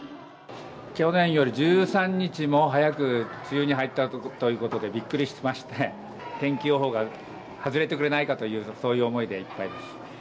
去年よりも１３日も早く梅雨に入ったということでびっくりしまして、天気予報が外れてくれないかという、そういう思いでいっぱいです。